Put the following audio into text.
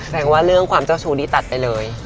แสดงว่าเรื่องความเจ้าชู้นี้ตัดไปเลย